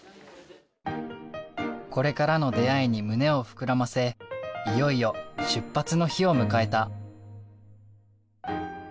これからの出会いに胸を膨らませいよいよ出発の日を迎えた。